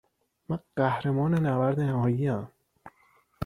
من قهرمان نبرد نهائیم؟